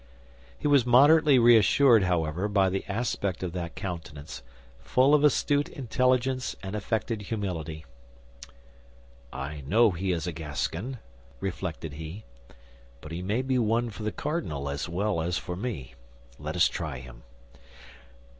He was moderately reassured, however, by the aspect of that countenance, full of astute intelligence and affected humility. "I know he is a Gascon," reflected he, "but he may be one for the cardinal as well as for me. Let us try him."